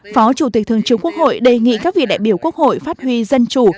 phó chủ tịch thường trưởng quốc hội đề nghị các vị đại biểu quốc hội phát huy dân chủ